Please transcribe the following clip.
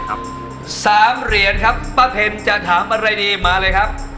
สามเหรียญครับป้าเพ็มจะถามอะไรดีมาเลยครับ